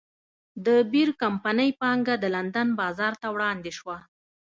د بیر کمپنۍ پانګه د لندن بازار ته وړاندې شوه.